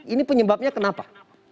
ini penyebabnya kenapa